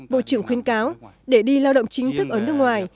bộ trưởng khuyên cáo để đi lao động chính thức ở nước ngoài